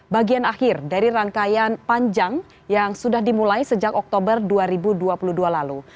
bagian akhir dari rangkaian panjang yang sudah dimulai sejak oktober dua ribu dua puluh dua lalu